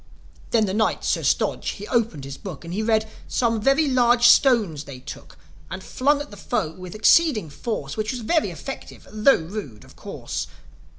Then the Knight, Sir Stodge, he opened his Book, And he read, "Some very large stones they took, And flung at the foe, with exceeding force; Which was very effective, tho' rude, of course."